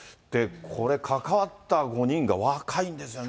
これ、関わった５人が若いんですね。